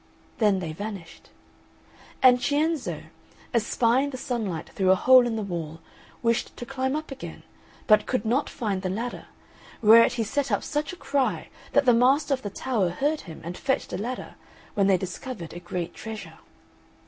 Then they vanished. And Cienzo, espying the sunlight through a hole in the wall, wished to climb up again, but could not find the ladder, whereat he set up such a cry that the master of the tower heard him and fetched a ladder, when they discovered a great treasure.